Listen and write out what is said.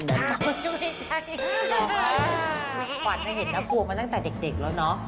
ควันมันเห็นหน้ากลัวมาตั้งแต่เด็กเครื่องเนาะ